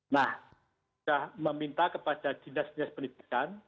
nah sudah meminta kepada dinas dinas pendidikan